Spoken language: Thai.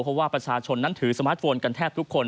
เพราะว่าประชาชนนั้นถือสมาร์ทโฟนกันแทบทุกคน